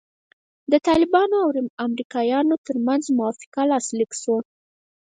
د طالبانو او امریکایانو ترمنځ موافقه لاسلیک سوه.